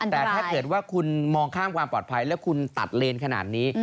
แต่ถ้าเกิดว่าคุณมองข้ามความปลอดภัยแล้วคุณตัดเลนขนาดนี้